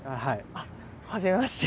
あっはじめまして。